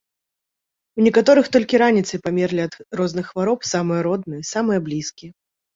У некаторых толькі раніцай памерлі ад розных хвароб самыя родныя, самыя блізкія.